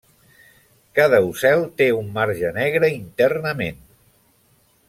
Cada ocel té un marge negre internament.